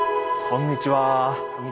こんにちは。